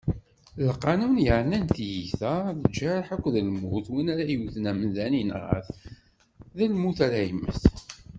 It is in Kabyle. Lqanun yeɛnan tiyita, lǧerḥ akked lmut, win ara yewten amdan, inɣa-t, d lmut ara yemmet.